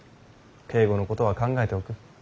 警固のことは考えておく。